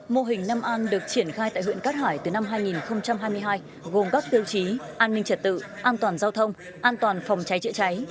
mô hình năm an được triển khai tại huyện cát hải từ năm hai nghìn hai mươi hai gồm các tiêu chí an ninh trật tự an toàn giao thông an toàn phòng cháy chữa cháy